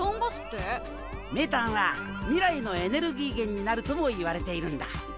メタンは未来のエネルギー源になるともいわれているんだ。